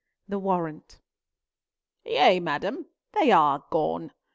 THE WARRANT "Yea, madam, they are gone!